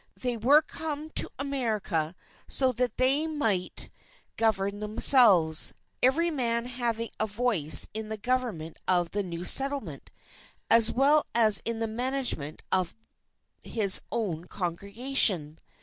They were come to America so that they might govern themselves, every man having a voice in the government of the new settlement as well as in the management of his own congregation.